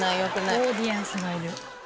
オーディエンスがいる。